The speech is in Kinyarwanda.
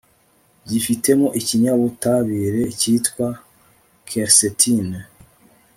byifitemo ikinyabutabire cyitwa 'quercétine'